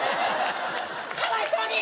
かわいそうに！